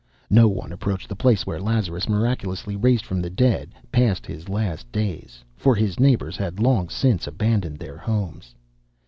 No one approached the place where Lazarus, miraculously raised from the dead, passed his last days, for his neighbours had long since abandoned their homes.